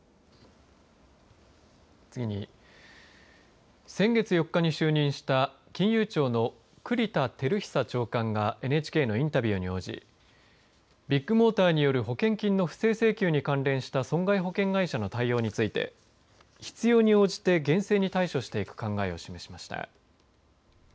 次に先月４日に就任した金融庁の栗田照久長官がＮＨＫのインタビューに応じビッグモーターによる保険金の不正請求に関連した損害保険会社の対応について必要に応じて厳正に対処していく考えを示しました。